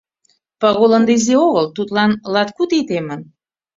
Пагул ынде изи огыл, тудлан латкуд ий темын.